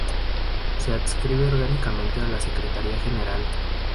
Se adscribe orgánicamente a la Secretaría General.